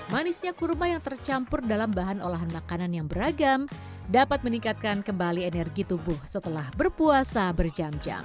manisnya kurma yang tercampur dalam bahan olahan makanan yang beragam dapat meningkatkan kembali energi tubuh setelah berpuasa berjam jam